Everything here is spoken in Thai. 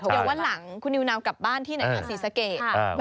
อย่างวันหลังคุณนิวน้ำกลับบ้านที่ไหนคะศรีสะเกต